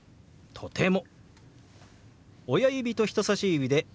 「とても」。